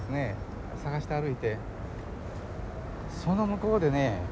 探して歩いてその向こうでね